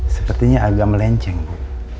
sepertinya agak melenceng bu